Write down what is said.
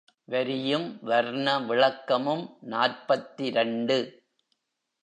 வரியும் வர்ண விளக்கமும் நாற்பத்திரண்டு.